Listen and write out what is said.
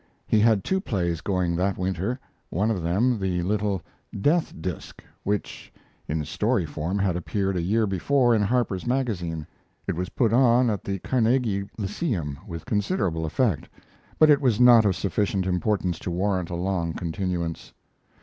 He had two plays going that winter, one of them the little "Death Disk," which in story form had appeared a year before in Harper's Magazine. It was put on at the Carnegie Lyceum with considerable effect, but it was not of sufficient importance to warrant a long continuance.